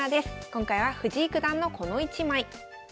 今回は藤井九段のこの一枚。